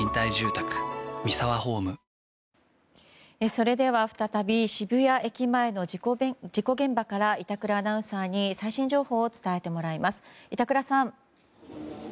それでは再び渋谷駅前の事故現場から板倉アナウンサーに最新情報を伝えてもらいます。